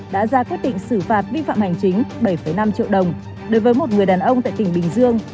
đã ra quyết định xử phạt vi phạm hành chính bảy năm triệu đồng đối với một người đàn ông tại tỉnh bình dương